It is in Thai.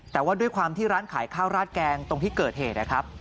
แต่ว่าด้วยความที่ร้านขายข้าวราดแกงตรงที่เกิดเหตุนะครับ